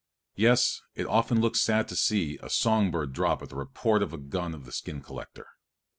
Yes, it often looks sad to see a song bird drop at the report of the gun of the skin collector.